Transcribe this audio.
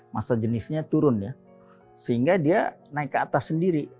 masa jenisnya turun ya sehingga dia naik ke atas sendiri